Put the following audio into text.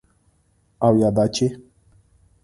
او یا دا چې: